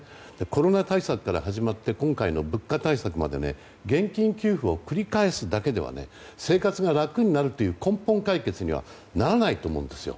コロナ対策から始まって今回の物価対策まで現金給付を繰り返すだけでは生活が楽になるという根本解決にはならないと思うんですよ。